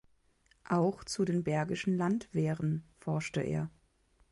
Auch zu den Bergischen Landwehren forschte er.